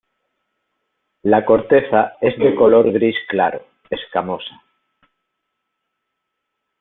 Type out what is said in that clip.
La corteza es de color gris claro, escamosa.